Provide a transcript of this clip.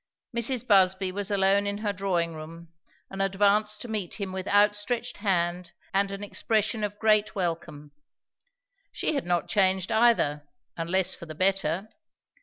Mrs. Busby was alone in her drawing room, and advanced to meet him with outstretched hand and an expression of great welcome. She had not changed either, unless for the better.